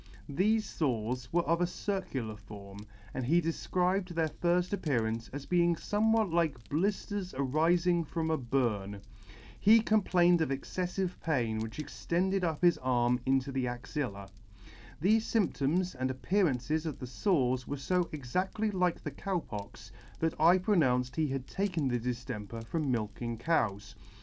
Thefe fores were of a circular form, and he defcribed their firfl: appearance as being fomewhat like blifters arifing from a burn. He complained of exceflive pain, which extended up his arm into the axilla. Thefe fymptoms and appearances of the fores were fo exactly like the Cow Pox, that I pronounced he had taken the diflemper from milking cows.